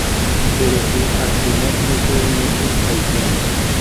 Pero su accionar no fue un hecho aislado.